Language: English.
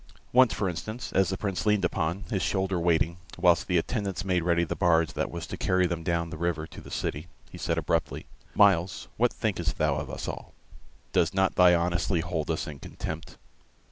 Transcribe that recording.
Once, for instance, as the Prince leaned upon, his shoulder waiting, whilst the attendants made ready the barge that was to carry them down the river to the city, he said, abruptly: "Myles, what thinkest thou of us all? Doth not thy honesty hold us in contempt?"